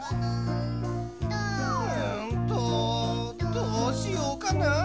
うんとどうしようかな？